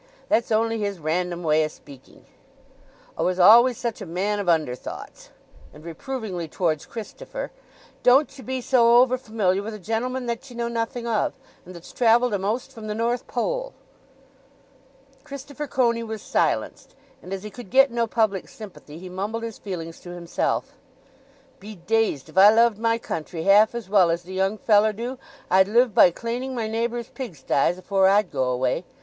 "That's only his random way o' speaking. 'A was always such a man of underthoughts." (And reprovingly towards Christopher): "Don't ye be so over familiar with a gentleman that ye know nothing of—and that's travelled a'most from the North Pole." Christopher Coney was silenced, and as he could get no public sympathy, he mumbled his feelings to himself: "Be dazed, if I loved my country half as well as the young feller do, I'd live by claning my neighbour's pigsties afore I'd go away!